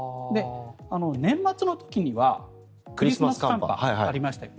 年末の時にはクリスマス寒波がありましたよね。